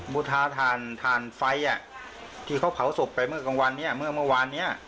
บูชาธานฟัยที่เขาเผาศพไปเมื่อกลางวันนี้เมื่อเมื่อวานนี้